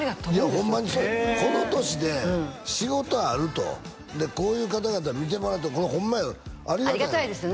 いやホンマにそうこの年で仕事あるとでこういう方々に見てもらえてこれホンマよありがたいありがたいですね